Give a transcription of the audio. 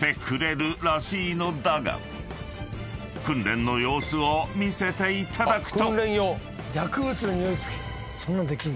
［訓練の様子を見せていただくと］